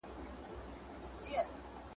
اوبه مو ګرمي دي په لاس کي مو ډوډۍ سړه ده ,